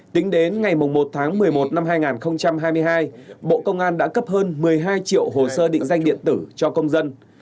tính đến ngày một tháng một mươi một năm hai nghìn hai mươi hai bộ công an đã cấp hơn một mươi hai triệu hồ sơ định danh điện tử cho công dân